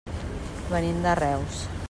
Venim de Reus.